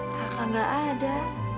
raka nggak ada